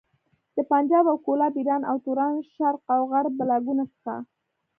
د پنجاب او کولاب، ايران او توران، شرق او غرب بلاګانو څخه.